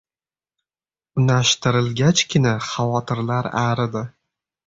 Unashtirilgachgina xavotirlari aridi